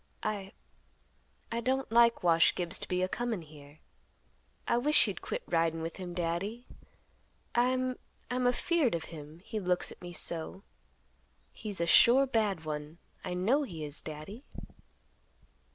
I—I don't like Wash Gibbs to be a comin' here. I wish you'd quit ridin' with him, Daddy. I'm—I'm afeared of him; he looks at me so. He's a sure bad one—I know he is, Daddy."